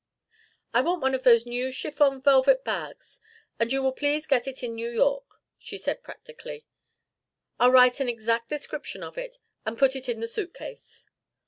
"I want one of those new chiffon velvet bags, and you will please get it in New York," she said practically. "I'll write an exact description of it and put it in the suitcase."